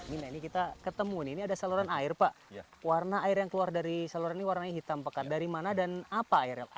ini kita ketemu saluran air pak warna air yang keluar dari saluran ini hitam pekat dari mana dan apa airnya